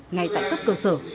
ngay tại cấp cơ sở